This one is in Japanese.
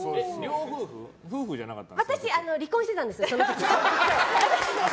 私、離婚してたんです、その時。